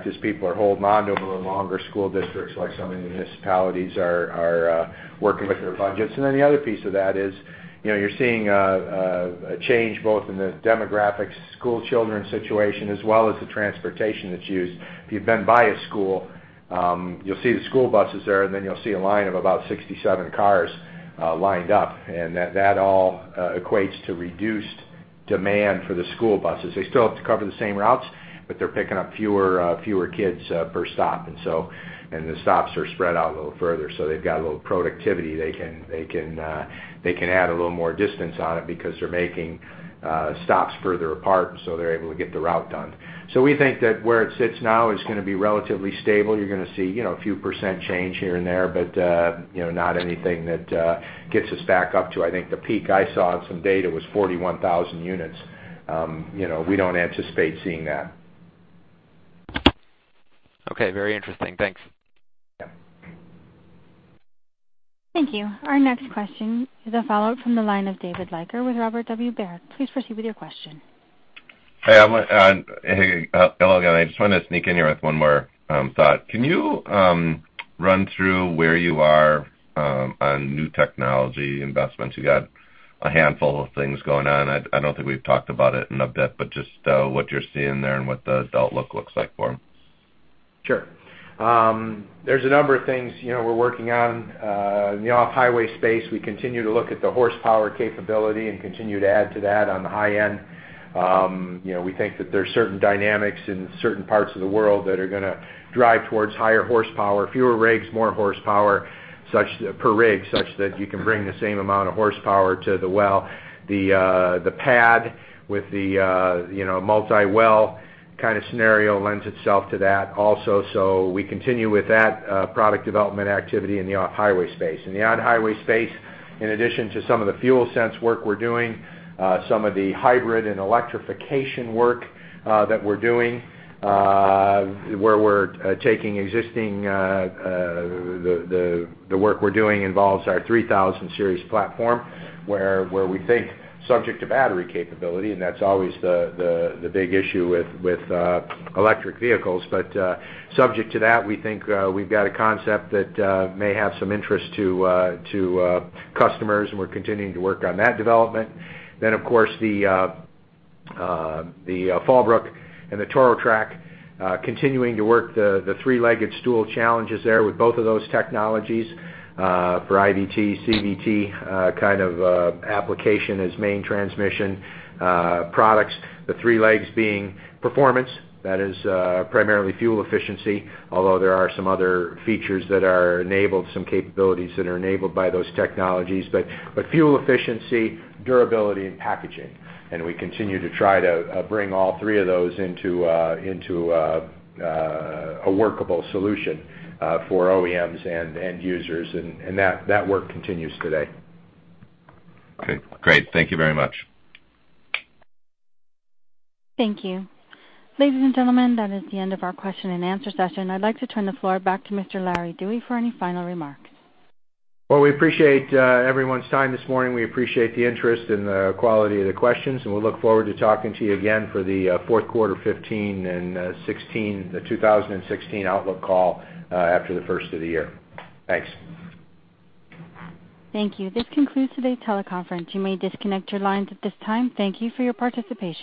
is, people are holding on to them a little longer. School districts, like so many municipalities, are working with their budgets. And then the other piece of that is, you know, you're seeing a change both in the demographics, schoolchildren situation, as well as the transportation that's used. If you've been by a school, you'll see the school buses there, and then you'll see a line of about 67 cars lined up, and that all equates to reduced demand for the school buses. They still have to cover the same routes, but they're picking up fewer kids per stop, and so—and the stops are spread out a little further, so they've got a little productivity. They can add a little more distance on it because they're making stops further apart, so they're able to get the route done. So we think that where it sits now is gonna be relatively stable. You're gonna see, you know, a few percent change here and there, but, you know, not anything that gets us back up to I think the peak I saw on some data was 41,000 units. You know, we don't anticipate seeing that. Okay, very interesting. Thanks. Yeah. Thank you. Our next question is a follow-up from the line of David Leiker with Robert W. Baird. Please proceed with your question. Hello again. I just wanted to sneak in here with one more thought. Can you run through where you are on new technology investments? You got a handful of things going on, and I don't think we've talked about it in a bit, but just what you're seeing there and what the outlook looks like for them. Sure. There's a number of things, you know, we're working on. In the off-highway space, we continue to look at the horsepower capability and continue to add to that on the high end. You know, we think that there's certain dynamics in certain parts of the world that are gonna drive towards higher horsepower, fewer rigs, more horsepower per rig, such that you can bring the same amount of horsepower to the well. The pad with the, you know, multi-well kind of scenario lends itself to that also. So we continue with that, product development activity in the off-highway space. In the on-highway space, in addition to some of the FuelSense work we're doing, some of the hybrid and electrification work that we're doing, where we're taking existing... The work we're doing involves our 3000 Series platform, where we think, subject to battery capability, and that's always the big issue with electric vehicles. But subject to that, we think we've got a concept that may have some interest to customers, and we're continuing to work on that development. Then, of course, the Fallbrook and the Torotrak, continuing to work the three-legged stool challenges there with both of those technologies for IVT, CVT kind of application as main transmission products. The three legs being performance, that is, primarily fuel efficiency, although there are some other features that are enabled, some capabilities that are enabled by those technologies. But fuel efficiency, durability, and packaging, and we continue to try to bring all three of those into a workable solution for OEMs and end users, and that work continues today. Okay, great. Thank you very much. Thank you. Ladies and gentlemen, that is the end of our question-and-answer session. I'd like to turn the floor back to Mr. Larry Dewey for any final remarks. Well, we appreciate everyone's time this morning. We appreciate the interest and the quality of the questions, and we look forward to talking to you again for the fourth quarter 2015 and 2016, the 2016 outlook call, after the first of the year. Thanks. Thank you. This concludes today's teleconference. You may disconnect your lines at this time. Thank you for your participation.